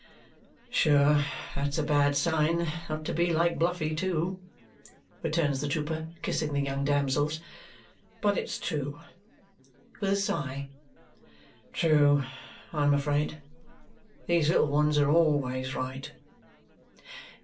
"Sure that's a bad sign not to be like Bluffy, too!" returns the trooper, kissing the young damsels. "But it's true," with a sigh, "true, I am afraid. These little ones are always right!"